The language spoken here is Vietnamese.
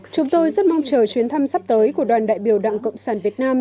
chúng tôi rất mong chờ chuyến thăm sắp tới của đoàn đại biểu đảng cộng sản việt nam